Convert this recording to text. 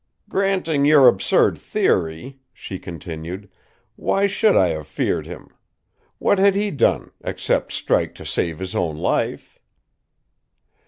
"Granting your absurd theory," she continued, "why should I have feared him? What had he done except strike to save his own life?"